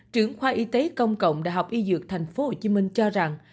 trưởng khoa y tế công cộng đại học y dược thành phố hồ chí minh cho rằng